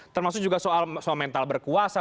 termasuk juga soal mental berkuasa